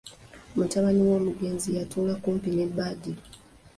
Mutabani w'Omugenzi yatuula kumpi ne Badru.